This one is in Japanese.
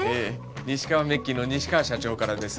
ニシカワメッキの西川社長からです